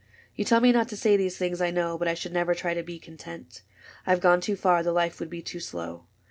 *' You tell me not to say these things, I know. But I should never try to be content : I 've gone too far ; the life would be too slow.